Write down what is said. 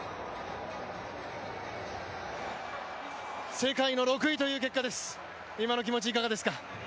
世界の６位という結果です、今の気持ち、いかがですか。